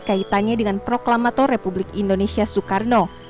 kaitannya dengan proklamator republik indonesia soekarno